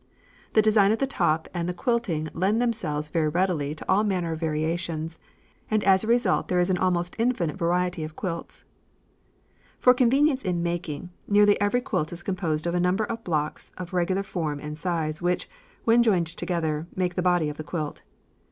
The design of the top and the quilting lend themselves very readily to all manner of variations, and as a result there is an almost infinite variety of quilts. For convenience in making, nearly every quilt is composed of a number of blocks of regular form and size which, when joined together, make the body of the quilt.